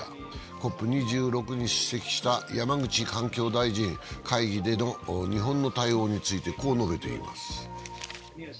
ＣＯＰ２６に出席した山口環境大臣、会議での日本の対応についてこう述べています。